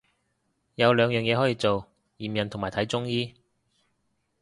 有兩樣可以做，驗孕同埋睇中醫